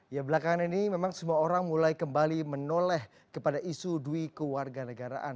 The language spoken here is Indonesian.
ya belakangan ini memang semua orang mulai kembali menoleh kepada isu dui kewarganegaraan